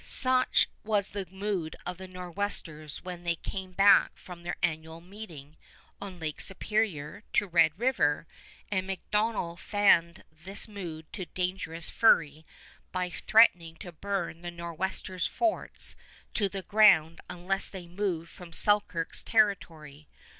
Such was the mood of the Nor'westers when they came back from their annual meeting on Lake Superior to Red River, and MacDonell fanned this mood to dangerous fury by threatening to burn the Nor'westers' forts to the ground unless they moved from Selkirk's territory.